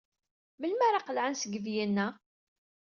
Melmi ara qelɛen seg Vienna?